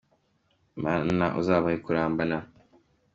Mana uzabahe kurambana.